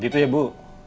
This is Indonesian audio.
begitu ya bu